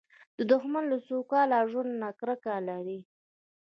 دښمن له سوکاله ژوند نه کرکه لري